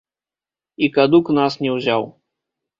І кадук нас не ўзяў.